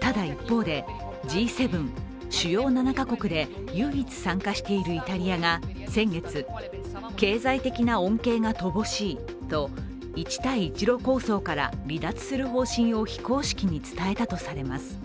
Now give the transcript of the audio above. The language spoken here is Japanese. ただ一方で、Ｇ７＝主要７国で唯一参加しているイタリアが先月、経済的な恩恵が乏しいと一帯一路構想から離脱する方針を非公式に伝えたとされます。